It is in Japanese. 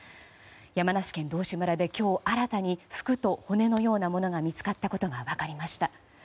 山梨県道志村で今日、新たに服と骨のようなものが見つかったことが分かりました。